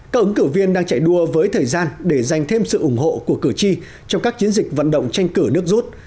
các ứng cử viên đang chạy đua với thời gian để giành thêm sự ủng hộ của cử tri trong các chiến dịch vận động tranh cử nước rút